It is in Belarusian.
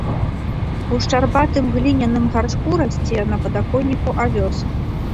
У шчарбатым гліняным гаршку расце на падаконніку авёс.